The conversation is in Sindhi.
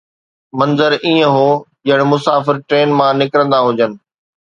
منظر ائين هو ڄڻ مسافر ٽرين مان نڪرندا هجن.